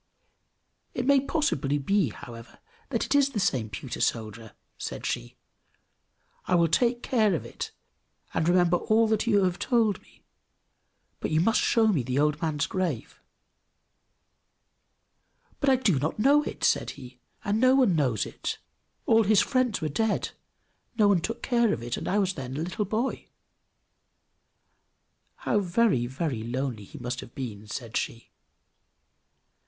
"It may possibly be, however, that it is the same pewter soldier!" said she. "I will take care of it, and remember all that you have told me; but you must show me the old man's grave!" "But I do not know it," said he, "and no one knows it! All his friends were dead, no one took care of it, and I was then a little boy!" "How very, very lonely he must have been!" said she.